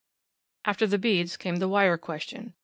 After the beads came the wire question.